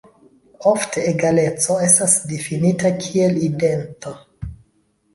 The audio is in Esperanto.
Ofte egaleco estas difinita kiel idento.